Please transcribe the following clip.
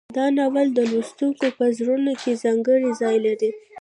دا ناول د لوستونکو په زړونو کې ځانګړی ځای لري.